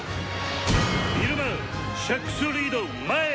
イルマシャックス・リード前へ！」。